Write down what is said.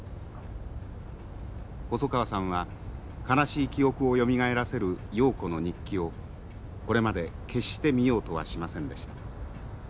細川さんは悲しい記憶をよみがえらせる瑤子の日記をこれまで決して見ようとはしませんでした。